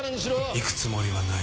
行くつもりはない。